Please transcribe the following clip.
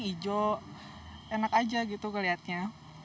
hijau enak aja gitu kelihatannya